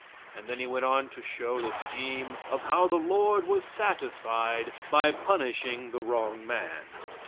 And then he went on to show the scheme how the Lord was satisfied by punishing the wrong man.